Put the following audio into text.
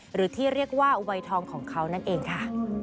หรือที่เรียกว่าวัยทองของเขานั่นเองค่ะ